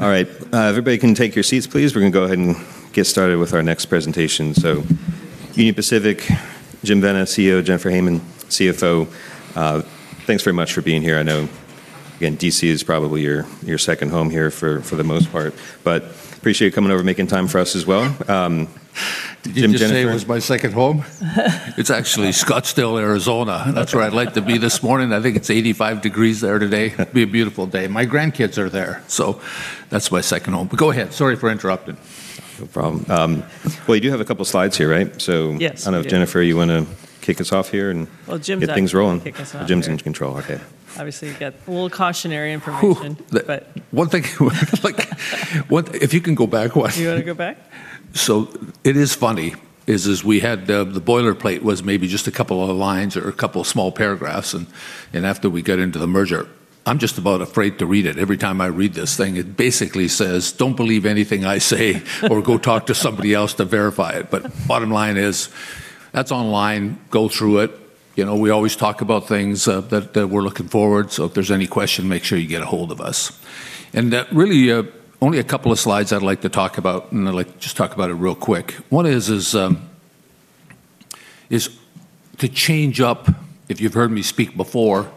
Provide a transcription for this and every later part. All right. Everybody can take your seats, please. We're gonna go ahead and get started with our next presentation. Union Pacific, Jim Vena, CEO, Jennifer Hamann, CFO. Thanks very much for being here. I know, again, D.C. is probably your second home here for the most part. Appreciate coming over, making time for us as well. Jim, Jennifer. Did you just say it was my second home? It's actually Scottsdale, Arizona. That's where I'd like to be this morning. I think it's 85 degrees there today. It'll be a beautiful day. My grandkids are there. So that's my second home. But go ahead. Sorry for interrupting. No problem. Well, you do have a couple slides here, right? Yes. I don't know. Jennifer, you wanna kick us off here and- Well, Jim's actually. get things rolling. Gonna kick us off here. Jim's in control. Okay. Obviously, you've got a little cautionary information. Ooh. But- If you can go back one. You wanna go back? It is funny. We had the boilerplate was maybe just a couple other lines or a couple small paragraphs and after we got into the merger, I'm just about afraid to read it. Every time I read this thing, it basically says, "Don't believe anything I say or go talk to somebody else to verify it." Bottom line is, that's online. Go through it. You know, we always talk about things that we're looking forward. If there's any question, make sure you get a hold of us. Really, only a couple of slides I'd like to talk about, and I'd like to just talk about it real quick. One is to change up, if you've heard me speak before,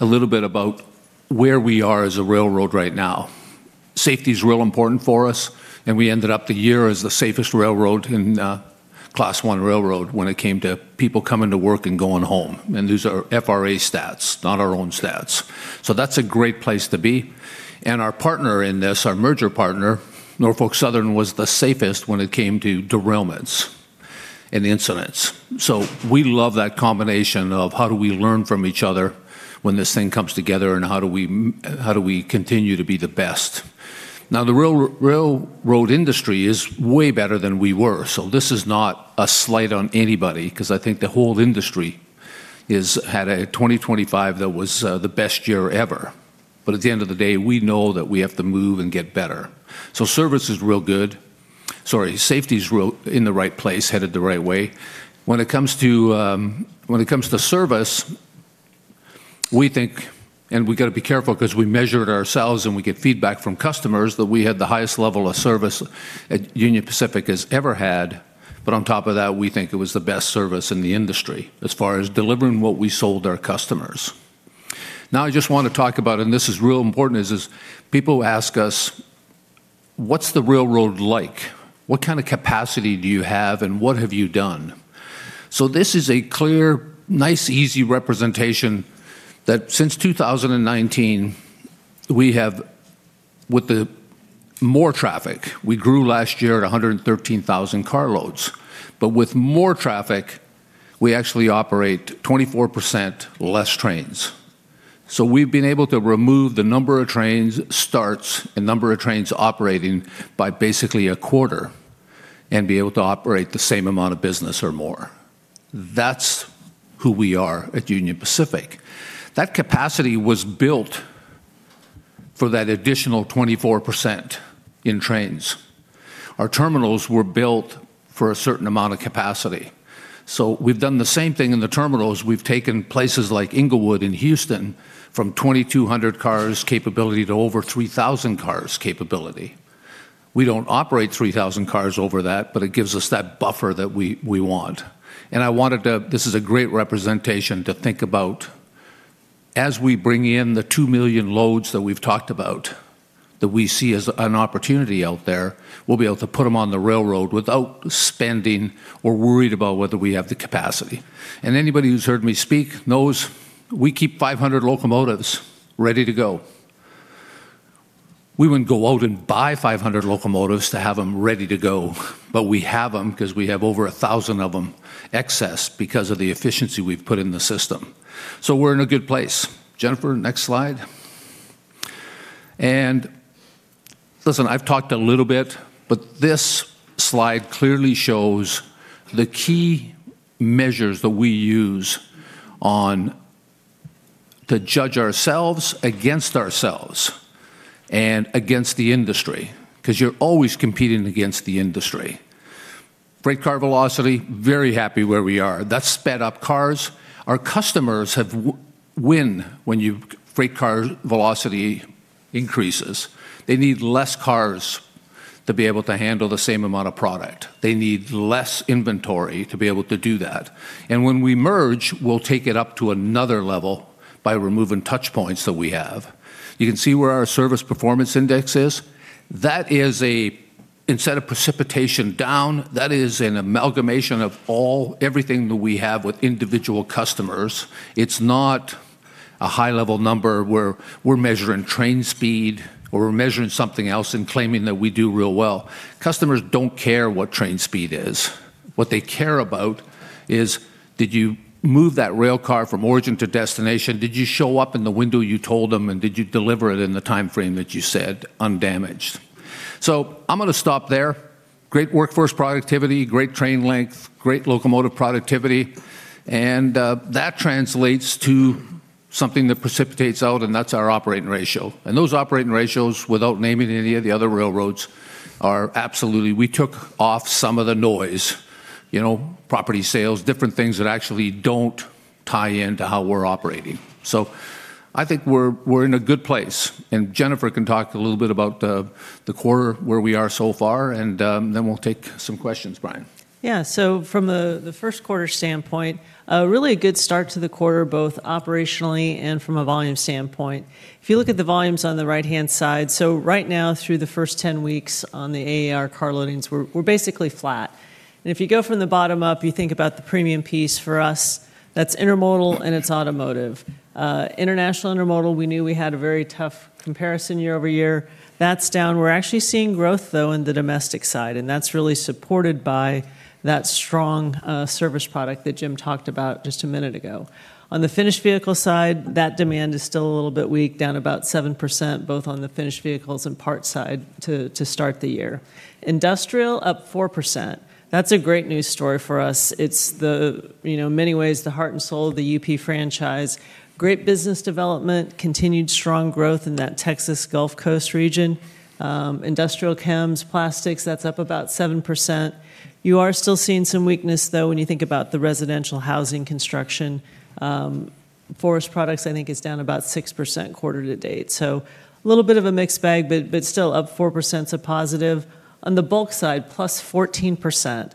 a little bit about where we are as a railroad right now. Safety's real important for us, and we ended up the year as the safest railroad in Class I railroad when it came to people coming to work and going home. These are FRA stats, not our own stats. That's a great place to be. Our partner in this, our merger partner, Norfolk Southern, was the safest when it came to derailments and incidents. We love that combination of how do we learn from each other when this thing comes together and how do we continue to be the best. Now, the railroad industry is way better than we were, so this is not a slight on anybody, 'cause I think the whole industry had a 2025 that was the best year ever. At the end of the day, we know that we have to move and get better. Service is real good. Sorry. Safety's real in the right place, headed the right way. When it comes to service, we think and we gotta be careful 'cause we measured ourselves and we get feedback from customers, that we had the highest level of service at Union Pacific has ever had. On top of that, we think it was the best service in the industry as far as delivering what we sold our customers. Now, I just wanna talk about, and this is real important, is people ask us, "What's the railroad like? What kind of capacity do you have, and what have you done?" This is a clear, nice, easy representation that since 2019, we have, with the more traffic, we grew last year at 113,000 carloads. With more traffic, we actually operate 24% less trains. We've been able to remove the number of trains, starts, and number of trains operating by basically a quarter and be able to operate the same amount of business or more. That's who we are at Union Pacific. That capacity was built for that additional 24% in trains. Our terminals were built for a certain amount of capacity. We've done the same thing in the terminals. We've taken places like Englewood in Houston from 2,200 cars capability to over 3,000 cars capability. We don't operate 3,000 cars over that, but it gives us that buffer that we want. This is a great representation to think about as we bring in the two million loads that we've talked about, that we see as an opportunity out there. We'll be able to put them on the railroad without spending or worrying about whether we have the capacity. Anybody who's heard me speak knows we keep 500 locomotives ready to go. We wouldn't go out and buy 500 locomotives to have them ready to go. We have them 'cause we have over 1,000 of them excess because of the efficiency we've put in the system. We're in a good place. Jennifer, next slide. Listen, I've talked a little bit, but this slide clearly shows the key measures that we use on. To judge ourselves against ourselves and against the industry, 'cause you're always competing against the industry. Freight car velocity, very happy where we are. That's sped up cars. Our customers win when freight car velocity increases. They need less cars to be able to handle the same amount of product. They need less inventory to be able to do that. When we merge, we'll take it up to another level by removing touch points that we have. You can see where our service performance index is. That is an amalgamation of all, everything that we have with individual customers. It's not a high-level number where we're measuring train speed, or we're measuring something else and claiming that we do real well. Customers don't care what train speed is. What they care about is did you move that rail car from origin to destination? Did you show up in the window you told them, and did you deliver it in the timeframe that you said undamaged? I'm gonna stop there. Great workforce productivity, great train length, great locomotive productivity, and that translates to something that precipitates out, and that's our operating ratio. Those operating ratios, without naming any of the other railroads, are absolutely. We took off some of the noise. You know, property sales, different things that actually don't tie into how we're operating. I think we're in a good place, and Jennifer can talk a little bit about the quarter, where we are so far, and then we'll take some questions, Brian. Yeah. From the first quarter standpoint, a really good start to the quarter, both operationally and from a volume standpoint. If you look at the volumes on the right-hand side, so right now through the first 10 weeks on the AAR car loadings, we're basically flat. If you go from the bottom up, you think about the premium piece for us, that's intermodal and it's automotive. International intermodal, we knew we had a very tough comparison year-over-year. That's down. We're actually seeing growth though in the domestic side, and that's really supported by that strong service product that Jim talked about just a minute ago. On the finished vehicle side, that demand is still a little bit weak, down about 7% both on the finished vehicles and parts side to start the year. Industrial, up 4%. That's a great news story for us. It's the, you know, in many ways, the heart and soul of the UP franchise. Great business development, continued strong growth in that Texas Gulf Coast region. Industrial chems, plastics, that's up about 7%. You are still seeing some weakness though, when you think about the residential housing construction. Forest products, I think it's down about 6% quarter to date. A little bit of a mixed bag, but still, up 4%'s a positive. On the bulk side, plus 14%.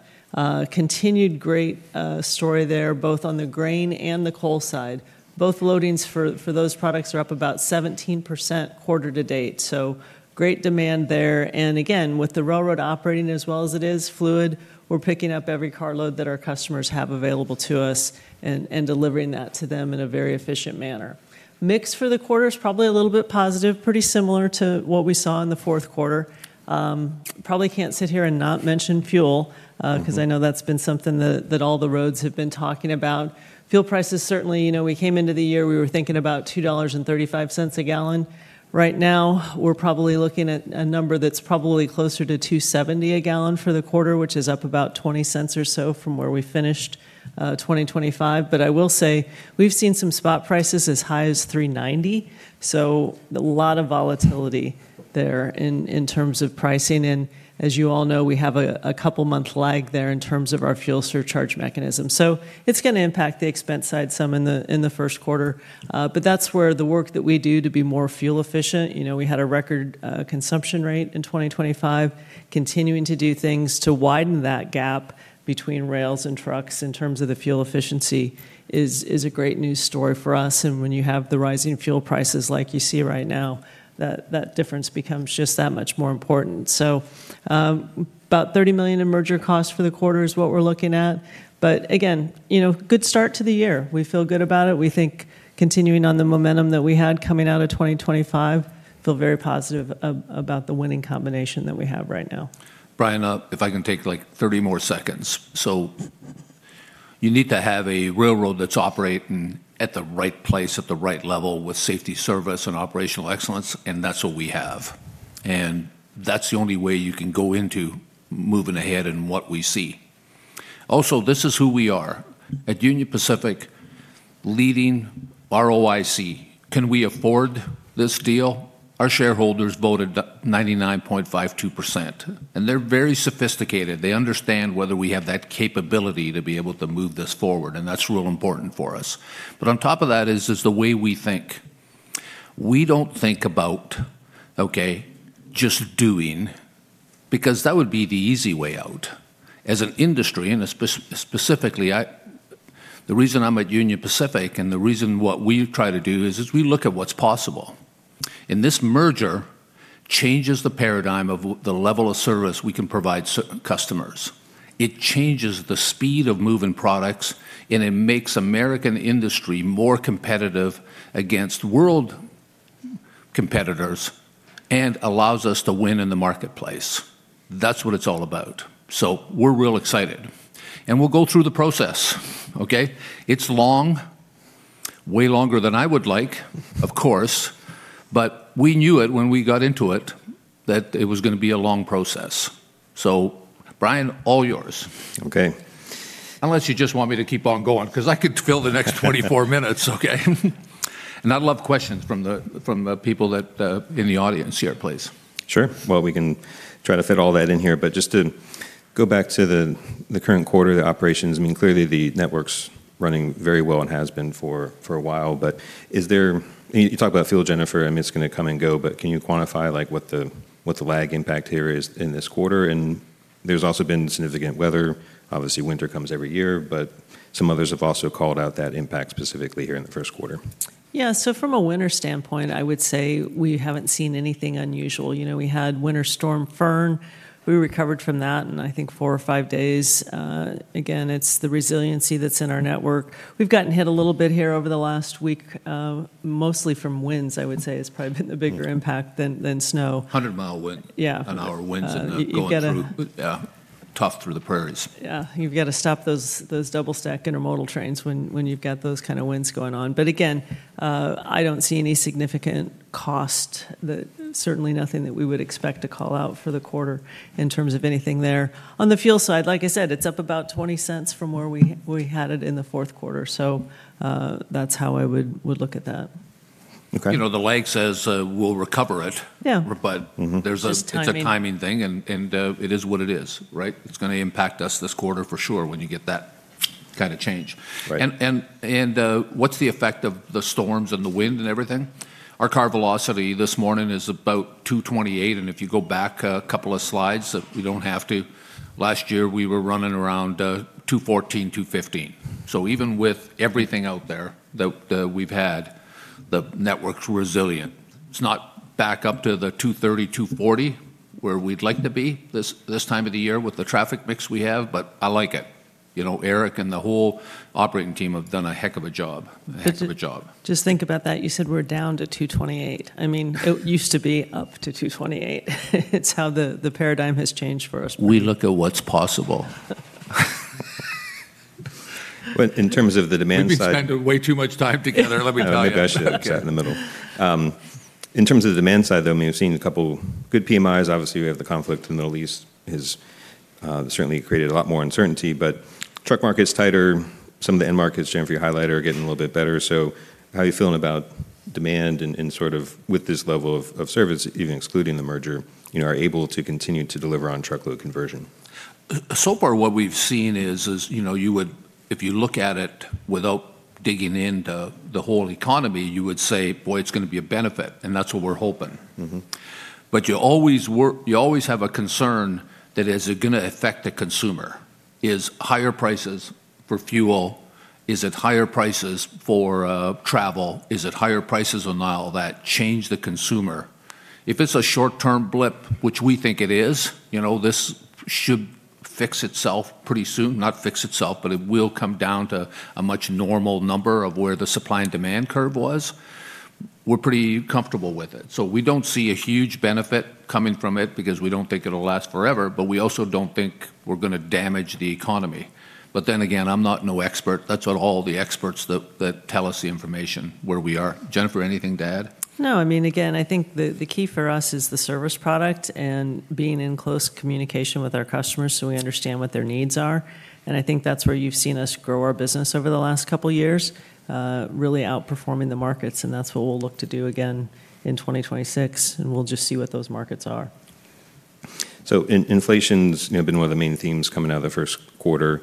Continued great story there both on the grain and the coal side. Both loadings for those products are up about 17% quarter to date, so great demand there. Again, with the railroad operating as well as it is, fluid, we're picking up every carload that our customers have available to us and delivering that to them in a very efficient manner. Mix for the quarter is probably a little bit positive, pretty similar to what we saw in the fourth quarter. Probably can't sit here and not mention fuel. Mm-hmm 'Cause I know that's been something that all the roads have been talking about. Fuel prices, certainly, you know, we came into the year, we were thinking about $2.35 a gallon. Right now, we're probably looking at a number that's probably closer to $2.70 a gallon for the quarter, which is up about $0.20 or so from where we finished 2025. I will say we've seen some spot prices as high as $3.90, so a lot of volatility there in terms of pricing. As you all know, we have a couple month lag there in terms of our fuel surcharge mechanism. It's gonna impact the expense side some in the first quarter. That's where the work that we do to be more fuel efficient, you know, we had a record consumption rate in 2025. Continuing to do things to widen that gap between rails and trucks in terms of the fuel efficiency is a great news story for us. When you have the rising fuel prices like you see right now, that difference becomes just that much more important. About $30 million in merger costs for the quarter is what we're looking at. Again, you know, good start to the year. We feel good about it. We think continuing on the momentum that we had coming out of 2025, feel very positive about the winning combination that we have right now. Brian, if I can take like 30 more seconds. You need to have a railroad that's operating at the right place, at the right level with safety, service, and operational excellence, and that's what we have. That's the only way you can go into moving ahead in what we see. This is who we are. At Union Pacific, leading ROIC. Can we afford this deal? Our shareholders voted 99.52%, and they're very sophisticated. They understand whether we have that capability to be able to move this forward, and that's real important for us. On top of that is the way we think. We don't think about, okay, just doing, because that would be the easy way out. As an industry, and specifically, the reason I'm at Union Pacific, and the reason what we try to do is, we look at what's possible. This merger changes the paradigm of the level of service we can provide customers. It changes the speed of moving products, and it makes American industry more competitive against world competitors and allows us to win in the marketplace. That's what it's all about. We're real excited. We'll go through the process, okay? It's long, way longer than I would like, of course, but we knew it when we got into it that it was gonna be a long process. Brian, all yours. Okay. Unless you just want me to keep on going, 'cause I could fill the next 24 minutes, okay? I'd love questions from the people that in the audience here, please. Sure. Well, we can try to fit all that in here. Just to go back to the current quarter, the operations, I mean, clearly the network's running very well and has been for a while. You talked about fuel, Jennifer. I mean, it's gonna come and go, but can you quantify, like, what the lag impact here is in this quarter? There's also been significant weather. Obviously, winter comes every year, but some others have also called out that impact specifically here in the first quarter. Yeah. From a winter standpoint, I would say we haven't seen anything unusual. You know, we had Winter Storm Fern. We recovered from that in, I think, four or five days. Again, it's the resiliency that's in our network. We've gotten hit a little bit here over the last week, mostly from winds, I would say, has probably been the bigger impact than snow. 100 mi wind. Yeah. An hour winds and they're going through. You've gotta- Yeah. Tough through the prairies. Yeah. You've got to stop those double-stack intermodal trains when you've got those kind of winds going on. Again, I don't see any significant cost that certainly nothing that we would expect to call out for the quarter in terms of anything there. On the fuel side, like I said, it's up about $0.20 from where we had it in the fourth quarter. That's how I would look at that. You know, the lake says, we'll recover it. Yeah. But- Mm-hmm. Just timing. It's a timing thing, and it is what it is, right? It's gonna impact us this quarter for sure when you get that kind of change. Right. What's the effect of the storms and the wind and everything? Our car velocity this morning is about 228, and if you go back a couple of slides, last year we were running around 214, 215. Even with everything out there that we've had, the network's resilient. It's not back up to the 230, 240 where we'd like to be this time of the year with the traffic mix we have, but I like it. You know, Eric and the whole operating team have done a heck of a job. A heck of a job. Just think about that. You said we're down to 228. I mean, it used to be up to 228. It's how the paradigm has changed for us, Brian. We look at what's possible. In terms of the demand side. We spend way too much time together, let me tell you. Maybe I should sit in the middle. In terms of the demand side, though, I mean, we've seen a couple good PMI. Obviously, we have the conflict in the Middle East has certainly created a lot more uncertainty. Truck market's tighter. Some of the end markets, Jennifer, you highlight, are getting a little bit better. How are you feeling about demand and sort of with this level of service, even excluding the merger, you know, are able to continue to deliver on truckload conversion? So far, what we've seen is, you know, you would if you look at it without digging into the whole economy, you would say, "Boy, it's gonna be a benefit," and that's what we're hoping. Mm-hmm. You always have a concern that is it gonna affect the consumer. Is higher prices for fuel, is it higher prices for travel, is it higher prices or not all that change the consumer? If it's a short-term blip, which we think it is, you know, this should fix itself pretty soon. Not fix itself, but it will come down to a much normal number of where the supply and demand curve was. We're pretty comfortable with it. We don't see a huge benefit coming from it because we don't think it'll last forever, but we also don't think we're gonna damage the economy. Then again, I'm not no expert. That's what all the experts that tell us the information where we are. Jennifer, anything to add? No. I mean, again, I think the key for us is the service product and being in close communication with our customers so we understand what their needs are, and I think that's where you've seen us grow our business over the last couple years, really outperforming the markets, and that's what we'll look to do again in 2026, and we'll just see what those markets are. Inflation's, you know, been one of the main themes coming out of the first quarter.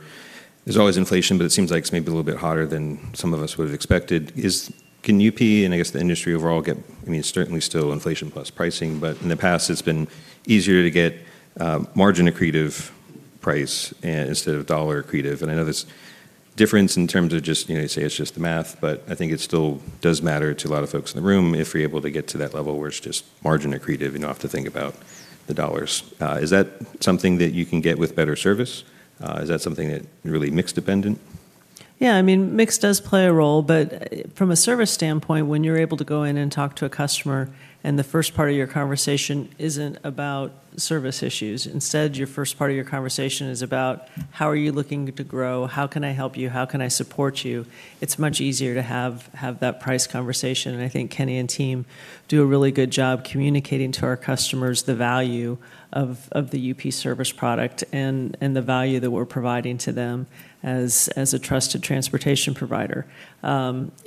There's always inflation, but it seems like it's maybe a little bit hotter than some of us would have expected. Can UP, and I guess the industry overall, get, I mean, it's certainly still inflation plus pricing, but in the past, it's been easier to get margin accretive pricing instead of dollar accretive. I know there's difference in terms of just, you know, you say it's just the math, but I think it still does matter to a lot of folks in the room if we're able to get to that level where it's just margin accretive, you don't have to think about the dollars. Is that something that you can get with better service? Is that something that really mix dependent? Yeah. I mean, mix does play a role, but from a service standpoint, when you're able to go in and talk to a customer and the first part of your conversation isn't about service issues, instead, your first part of your conversation is about how are you looking to grow? How can I help you? How can I support you? It's much easier to have that price conversation, and I think Kenny and team do a really good job communicating to our customers the value of the UP service product and the value that we're providing to them as a trusted transportation provider.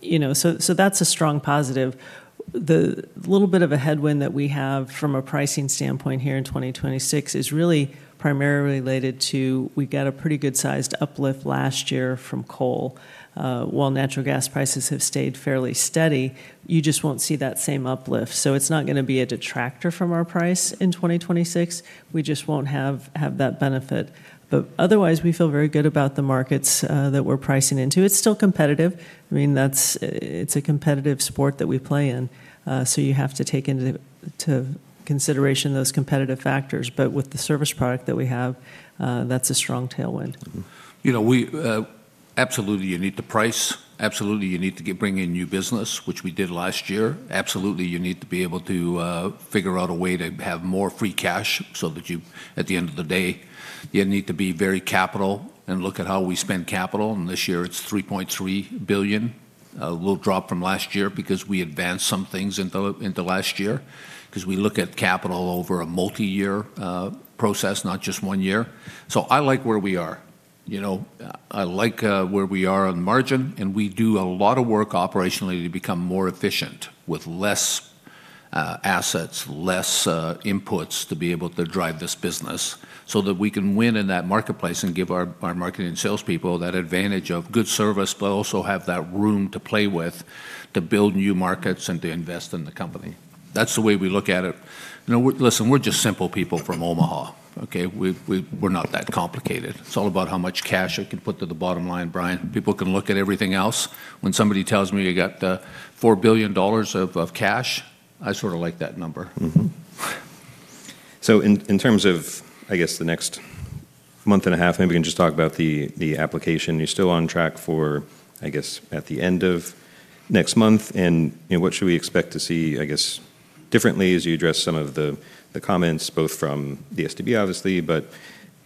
You know, so that's a strong positive. The little bit of a headwind that we have from a pricing standpoint here in 2026 is really primarily related to we got a pretty good sized uplift last year from coal. While natural gas prices have stayed fairly steady, you just won't see that same uplift. It's not gonna be a detractor from our price in 2026. We just won't have that benefit. Otherwise, we feel very good about the markets that we're pricing into. It's still competitive. I mean, it's a competitive sport that we play in, so you have to take into consideration those competitive factors. With the service product that we have, that's a strong tailwind. You know, we absolutely, you need the price. Absolutely, you need to bring in new business, which we did last year. Absolutely, you need to be able to figure out a way to have more free cash so that you, at the end of the day, you need to be very careful and look at how we spend capital, and this year it's $3.3 billion. We'll drop from last year because we advanced some things into last year, 'cause we look at capital over a multi-year process, not just one year. I like where we are. You know, I like where we are on margin, and we do a lot of work operationally to become more efficient with less assets, less inputs to be able to drive this business so that we can win in that marketplace and give our marketing salespeople that advantage of good service, but also have that room to play with to build new markets and to invest in the company. That's the way we look at it. You know, listen, we're just simple people from Omaha, okay? We're not that complicated. It's all about how much cash it can put to the bottom line, Brian. People can look at everything else. When somebody tells me you got $4 billion of cash, I sort of like that number. In terms of, I guess, the next month and a half, maybe we can just talk about the application. You're still on track for, I guess, at the end of next month, and, you know, what should we expect to see, I guess, differently as you address some of the comments, both from the STB, obviously, but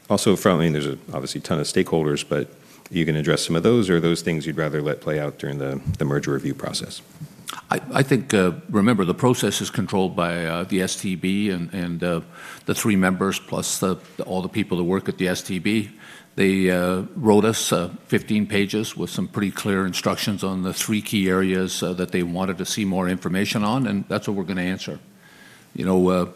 also from, I mean, there's obviously ton of stakeholders, but are you gonna address some of those, or are those things you'd rather let play out during the merger review process? I think remember the process is controlled by the STB and the three members plus all the people that work at the STB. They wrote us 15 pages with some pretty clear instructions on the three key areas that they wanted to see more information on, and that's what we're gonna answer. You know,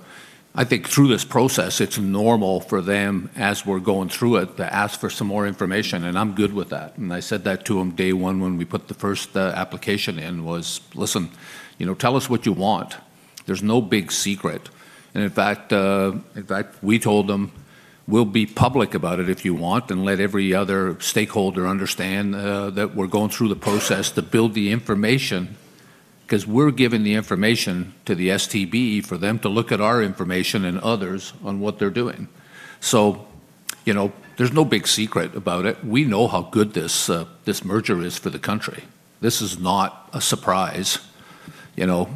I think through this process, it's normal for them, as we're going through it, to ask for some more information, and I'm good with that. I said that to them day one when we put the first application in. "Listen, you know, tell us what you want. There's no big secret." In fact, we told them, "We'll be public about it if you want and let every other stakeholder understand that we're going through the process to build the information," because we're giving the information to the STB for them to look at our information and others on what they're doing. You know, there's no big secret about it. We know how good this merger is for the country. This is not a surprise. You know,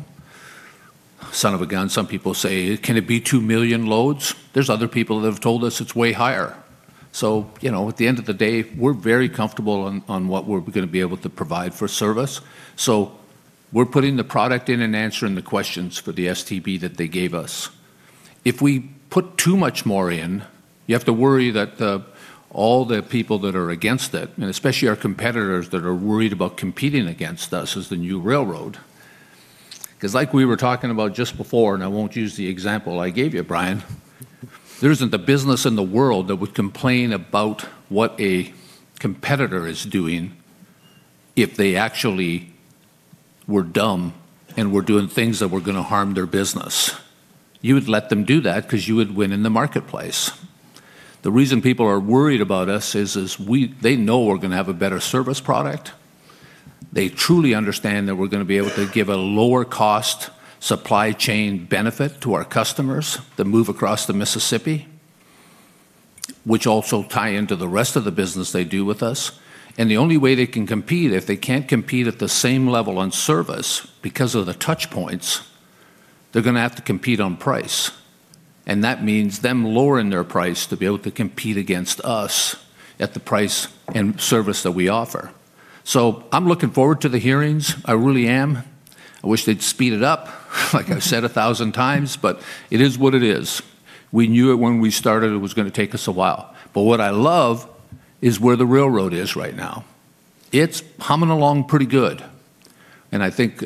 son of a gun, some people say, "Can it be two million loads?" There are other people that have told us it's way higher. You know, at the end of the day, we're very comfortable on what we're gonna be able to provide for service. We're putting the product in and answering the questions for the STB that they gave us. If we put too much more in, you have to worry that the, all the people that are against it, and especially our competitors that are worried about competing against us as the new railroad. 'Cause like we were talking about just before, and I won't use the example I gave you, Brian, there isn't the business in the world that would complain about what a competitor is doing if they actually were dumb and were doing things that were gonna harm their business. You would let them do that because you would win in the marketplace. The reason people are worried about us is we, they know we're gonna have a better service product. They truly understand that we're gonna be able to give a lower cost supply chain benefit to our customers that move across the Mississippi, which also tie into the rest of the business they do with us. The only way they can compete, if they can't compete at the same level on service because of the touch points, they're gonna have to compete on price. That means them lowering their price to be able to compete against us at the price and service that we offer. I'm looking forward to the hearings. I really am. I wish they'd speed it up, like I've said a thousand times, but it is what it is. We knew it when we started it was gonna take us a while. What I love is where the railroad is right now. It's humming along pretty good. I think,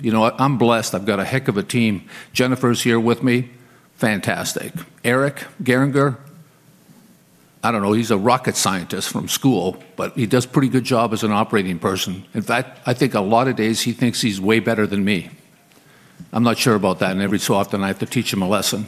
you know what, I'm blessed. I've got a heck of a team. Jennifer's here with me. Fantastic. Eric Gehringer, I don't know, he's a rocket scientist from school, but he does pretty good job as an operating person. In fact, I think a lot of days he thinks he's way better than me. I'm not sure about that, and every so often I have to teach him a lesson.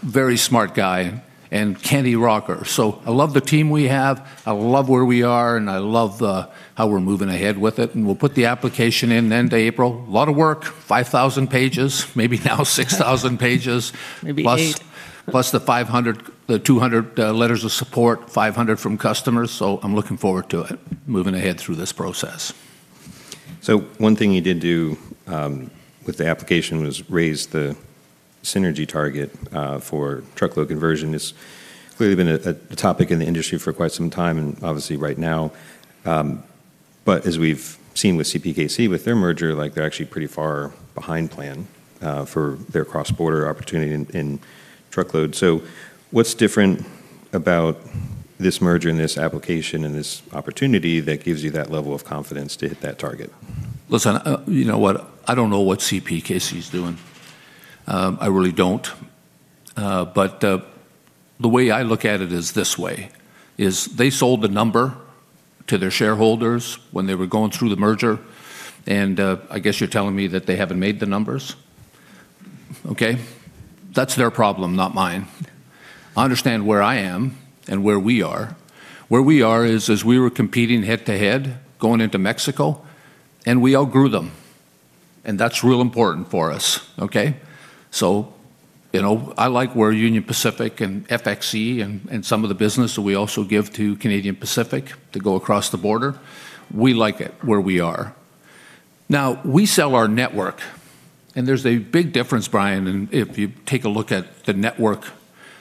Very smart guy. Kenny Rocker. I love the team we have, I love where we are, and I love how we're moving ahead with it. We'll put the application in the end of April. Lot of work, 5,000 pages, maybe now 6,000 pages. Maybe 8,000. Plus the 200 letters of support, 500 from customers. I'm looking forward to it, moving ahead through this process. One thing you did do with the application was raise the synergy target for truckload conversion. It's clearly been a topic in the industry for quite some time and obviously right now. As we've seen with CPKC, with their merger, like, they're actually pretty far behind plan for their cross-border opportunity in truckload. What's different about this merger and this application and this opportunity that gives you that level of confidence to hit that target? Listen, you know what, I don't know what CPKC's doing. I really don't. The way I look at it is this way, is they sold a number to their shareholders when they were going through the merger, and I guess you're telling me that they haven't made the numbers. Okay. That's their problem, not mine. I understand where I am and where we are. Where we are is we were competing head-to-head going into Mexico, and we outgrew them. That's real important for us, okay? You know, I like where Union Pacific and FXE and some of the business that we also give to Canadian Pacific to go across the border. We like it where we are. Now, we sell our network, and there's a big difference, Brian, and if you take a look at the network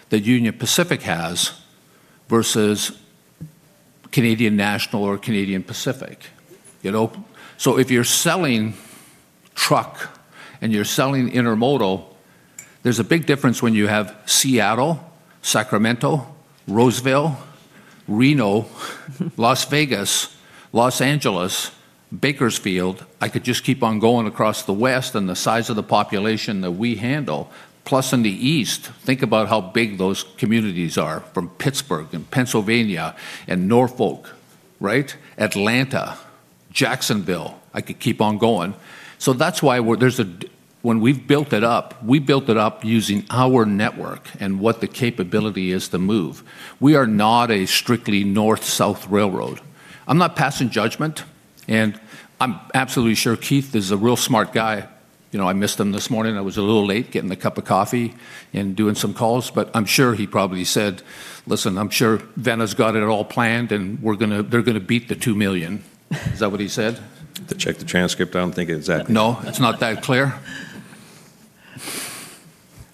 that Union Pacific has versus Canadian National or Canadian Pacific, you know. If you're selling truck and you're selling intermodal, there's a big difference when you have Seattle, Sacramento, Roseville, Reno, Las Vegas, Los Angeles, Bakersfield. I could just keep on going across the West and the size of the population that we handle. Plus, in the East, think about how big those communities are from Pittsburgh and Pennsylvania and Norfolk, right. Atlanta, Jacksonville. I could keep on going. That's why. When we've built it up, we built it up using our network and what the capability is to move. We are not a strictly north-south railroad. I'm not passing judgment, and I'm absolutely sure Keith is a real smart guy. You know, I missed him this morning. I was a little late getting a cup of coffee and doing some calls. I'm sure he probably said, "Listen, I'm sure Vena's got it all planned, and they're gonna beat the two million." Is that what he said? Have to check the transcript. I don't think exactly. No? It's not that clear?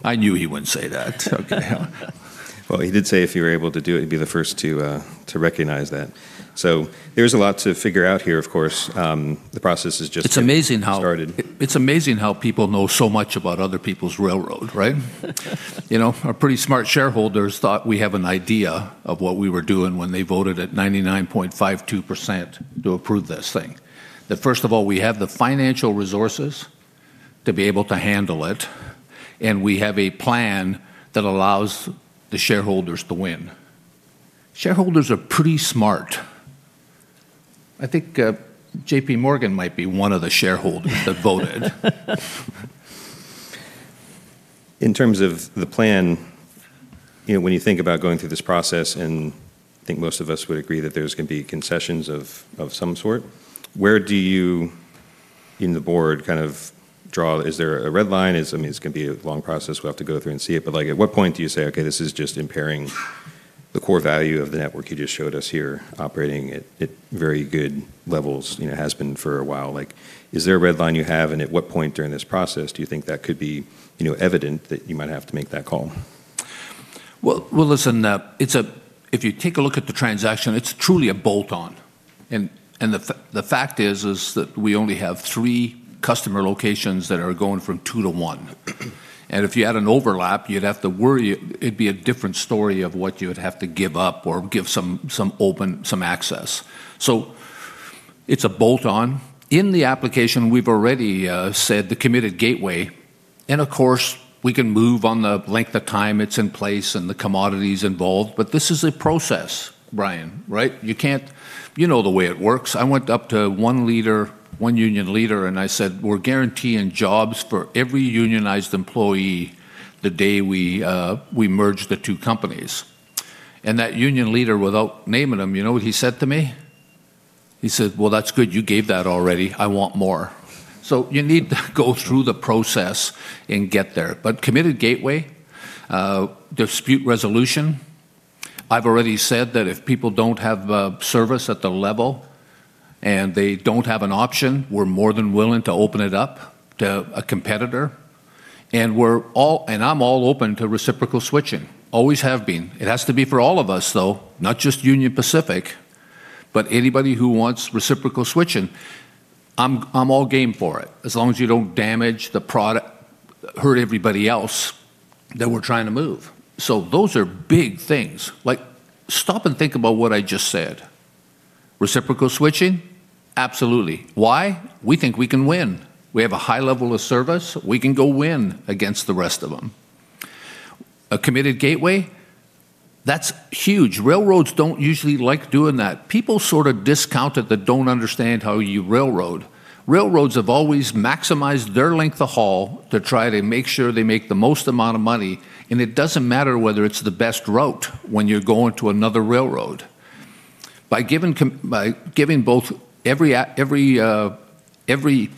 I knew he wouldn't say that. Okay. Well, he did say if you were able to do it, he'd be the first to recognize that. There's a lot to figure out here, of course. The process has just- It's amazing how. -started. It's amazing how people know so much about other people's railroad, right? You know, our pretty smart shareholders thought we have an idea of what we were doing when they voted at 99.52% to approve this thing. That first of all, we have the financial resources to be able to handle it, and we have a plan that allows the shareholders to win. Shareholders are pretty smart. I think, JPMorgan might be one of the shareholders that voted. In terms of the plan, you know, when you think about going through this process, and I think most of us would agree that there's gonna be concessions of some sort, where do you on the board kind of draw. Is there a red line? I mean, this can be a long process we have to go through and see it. Like, at what point do you say, "Okay, this is just impairing the core value of the network you just showed us here operating at very good levels, you know, has been for a while." Like, is there a red line you have, and at what point during this process do you think that could be, you know, evident that you might have to make that call? If you take a look at the transaction, it's truly a bolt-on. The fact is that we only have three customer locations that are going from two to one. If you had an overlap, you'd have to worry. It'd be a different story of what you would have to give up or give some open access. It's a bolt-on. In the application, we've already said the committed gateway. Of course, we can move on the length of time it's in place and the commodities involved, but this is a process, Brian, right? You can't. You know the way it works. I went up to one leader, one union leader, and I said, "We're guaranteeing jobs for every unionized employee the day we merge the two companies." That union leader, without naming him, you know what he said to me? He said, "Well, that's good. You gave that already. I want more." You need to go through the process and get there. Committed gateway dispute resolution. I've already said that if people don't have service at the level and they don't have an option, we're more than willing to open it up to a competitor. I'm all open to reciprocal switching. Always have been. It has to be for all of us, though, not just Union Pacific, but anybody who wants reciprocal switching. I'm all game for it, as long as you don't hurt everybody else that we're trying to move. Those are big things. Like, stop and think about what I just said. Reciprocal switching? Absolutely. Why? We think we can win. We have a high level of service. We can go win against the rest of them. A committed gateway? That's huge. Railroads don't usually like doing that. People sort of discount it that don't understand how you railroad. Railroads have always maximized their length of haul to try to make sure they make the most amount of money, and it doesn't matter whether it's the best route when you're going to another railroad. By giving both every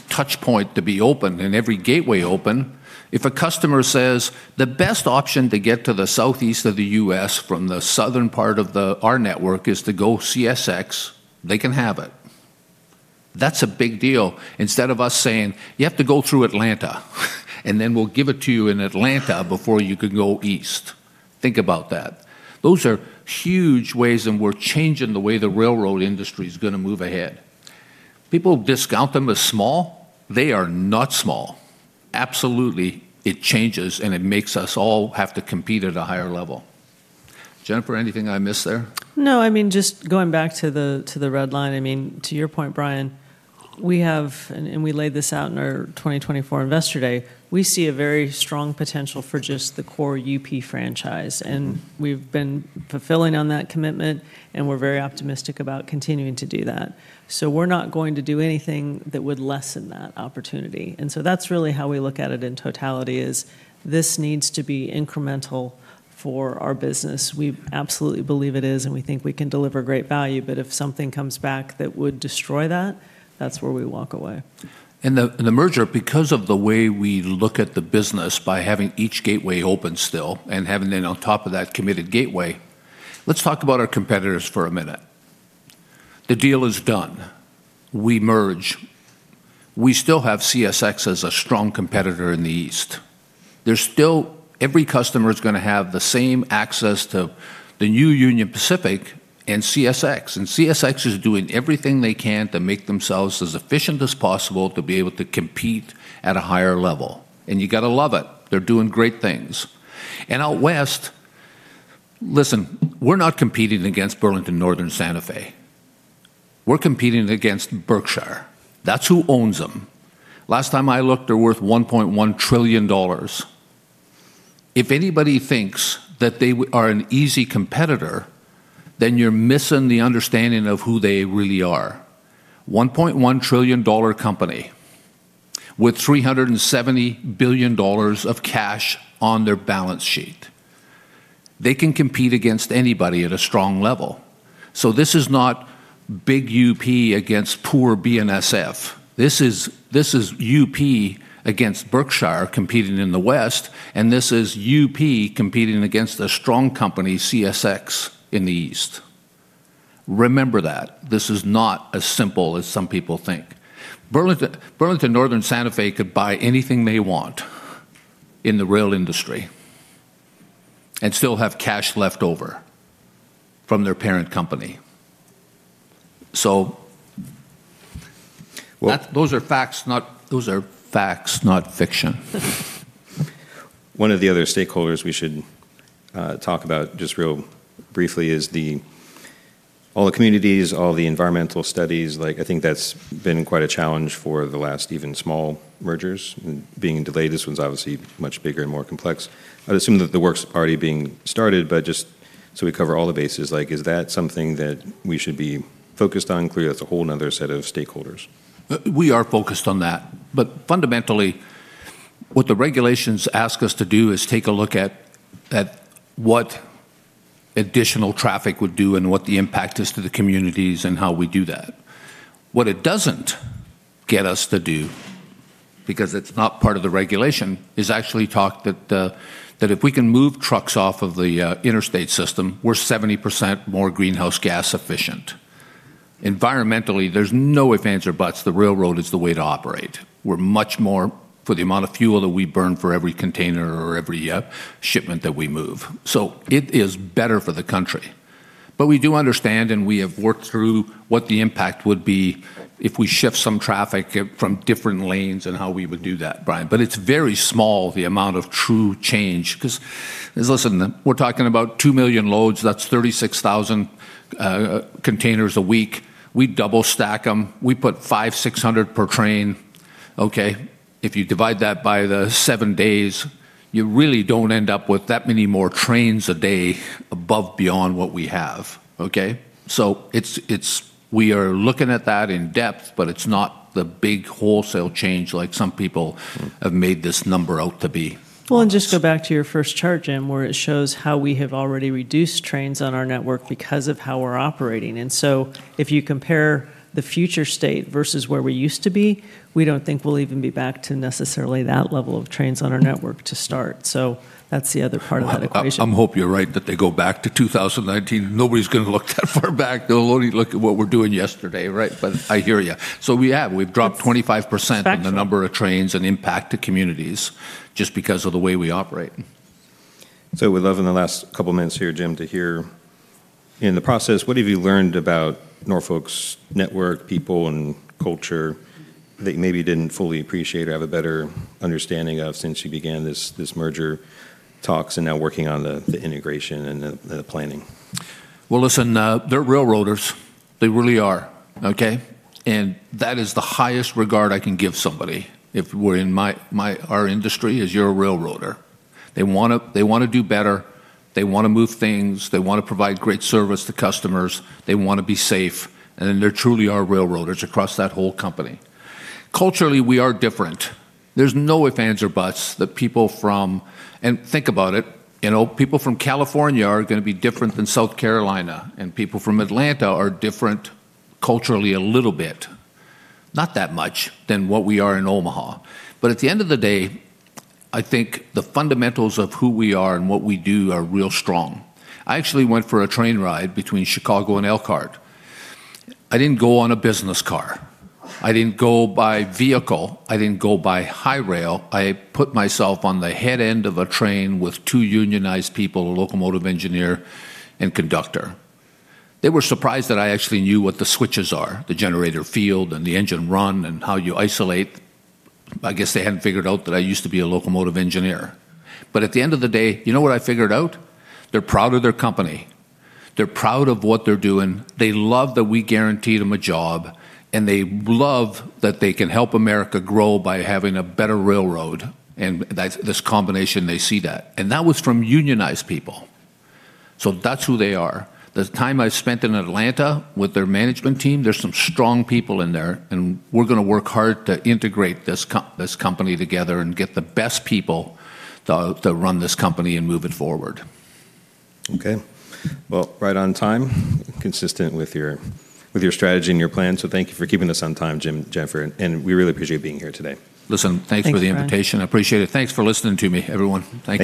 touchpoint to be open and every gateway open, if a customer says, "The best option to get to the Southeast of the U.S. from the southern part of the, our network is to go CSX," they can have it. That's a big deal. Instead of us saying, "You have to go through Atlanta, and then we'll give it to you in Atlanta before you can go east." Think about that. Those are huge ways, and we're changing the way the railroad industry is gonna move ahead. People discount them as small. They are not small. Absolutely, it changes, and it makes us all have to compete at a higher level. Jennifer, anything I missed there? No, I mean, just going back to the red line. I mean, to your point, Brian, we have, and we laid this out in our 2024 Investor Day, we see a very strong potential for just the core UP franchise. Mm-hmm. We've been fulfilling on that commitment, and we're very optimistic about continuing to do that. We're not going to do anything that would lessen that opportunity. That's really how we look at it in totality, is this needs to be incremental for our business. We absolutely believe it is, and we think we can deliver great value. If something comes back that would destroy that's where we walk away. The merger, because of the way we look at the business by having each gateway open still and having them on top of that committed gateway, let's talk about our competitors for a minute. The deal is done. We merge. We still have CSX as a strong competitor in the East. Every customer is gonna have the same access to the new Union Pacific and CSX. CSX is doing everything they can to make themselves as efficient as possible to be able to compete at a higher level. You gotta love it. They're doing great things. Out West, listen, we're not competing against Burlington Northern Santa Fe. We're competing against Berkshire. That's who owns them. Last time I looked, they're worth $1.1 trillion. If anybody thinks that they are an easy competitor, then you're missing the understanding of who they really are. $1.1 trillion company with $370 billion of cash on their balance sheet. They can compete against anybody at a strong level. This is not big UP against poor BNSF. This is UP against Berkshire competing in the West, and this is UP competing against a strong company, CSX, in the East. Remember that. This is not as simple as some people think. Burlington Northern Santa Fe could buy anything they want in the rail industry and still have cash left over from their parent company. Well. Those are facts, not fiction. One of the other stakeholders we should talk about just real briefly is the, all the communities, all the environmental studies. Like, I think that's been quite a challenge for the last even small mergers being delayed. This one's obviously much bigger and more complex. I'd assume that the work's already being started, but just so we cover all the bases, like, is that something that we should be focused on? Clearly, that's a whole another set of stakeholders. We are focused on that. Fundamentally, what the regulations ask us to do is take a look at what additional traffic would do and what the impact is to the communities and how we do that. What it doesn't get us to do, because it's not part of the regulation, is actually talk that if we can move trucks off of the interstate system, we're 70% more greenhouse gas efficient. Environmentally, there's no if, ands, or buts, the railroad is the way to operate. We're much more for the amount of fuel that we burn for every container or every shipment that we move. It is better for the country. We do understand and we have worked through what the impact would be if we shift some traffic from different lanes and how we would do that, Brian. It's very small, the amount of true change. 'Cause listen, we're talking about two million loads. That's 36,000 containers a week. We double stack them. We put 500-600 per train, okay? If you divide that by the seven days, you really don't end up with that many more trains a day above and beyond what we have, okay? It's we are looking at that in depth, but it's not the big wholesale change like some people. Mm Have made this number out to be. Well. Well, just go back to your first chart, Jim, where it shows how we have already reduced trains on our network because of how we're operating. If you compare the future state versus where we used to be, we don't think we'll even be back to necessarily that level of trains on our network to start. That's the other part of that equation. I hope you're right that they go back to 2019. Nobody's gonna look that far back. They'll only look at what we're doing yesterday, right? I hear you. We have. We've dropped 25%. It's factual. In the number of trains and impact to communities just because of the way we operate. We'd love in the last couple minutes here, Jim, to hear in the process, what have you learned about Norfolk's network, people, and culture that maybe you didn't fully appreciate or have a better understanding of since you began this merger talks and now working on the integration and the planning? Well, listen, they're railroaders. They really are, okay? That is the highest regard I can give somebody if we're in our industry you're a railroader. They wanna do better. They wanna move things. They wanna provide great service to customers. They wanna be safe. They truly are railroaders across that whole company. Culturally, we are different. There's no if, ands, or buts. Think about it. You know, people from California are gonna be different than South Carolina, and people from Atlanta are different culturally a little bit, not that much, than what we are in Omaha. At the end of the day, I think the fundamentals of who we are and what we do are real strong. I actually went for a train ride between Chicago and Elkhart. I didn't go on a business car. I didn't go by vehicle. I didn't go by high rail. I put myself on the head end of a train with two unionized people, a locomotive engineer and conductor. They were surprised that I actually knew what the switches are, the generator field and the engine run and how you isolate. I guess they hadn't figured out that I used to be a locomotive engineer. At the end of the day, you know what I figured out? They're proud of their company. They're proud of what they're doing. They love that we guaranteed them a job, and they love that they can help America grow by having a better railroad, and that's this combination, they see that. That was from unionized people. That's who they are. The time I spent in Atlanta with their management team, there's some strong people in there, and we're gonna work hard to integrate this company together and get the best people to run this company and move it forward. Okay. Well, right on time, consistent with your strategy and your plan. Thank you for keeping us on time, Jim, Jennifer, and we really appreciate being here today. Listen, thanks for the invitation. Thanks, Brian. I appreciate it. Thanks for listening to me, everyone. Thank you.